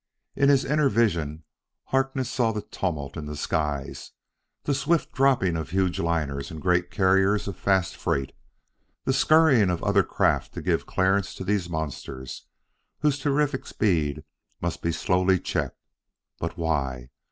In his inner vision Harkness saw the tumult in the skies, the swift dropping of huge liners and great carriers of fast freight, the scurrying of other craft to give clearance to these monsters whose terrific speed must be slowly checked. But why?